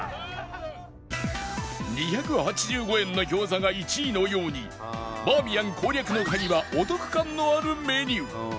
２８５円の餃子が１位のようにバーミヤン攻略の鍵はお得感のあるメニュー